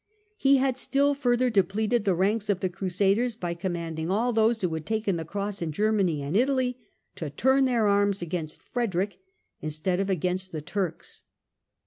He had still further depleted the ranks of the Crusaders by commanding all those who had taken the Cross in Germany and Italy to turn their arms against Frederick instead of against the Turks.